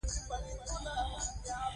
ایا د سوچونو کړۍ وشلیدله؟